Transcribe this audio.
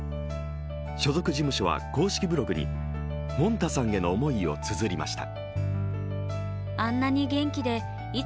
所属事務所は公式ブログにもんたさんへの思いをつづりました。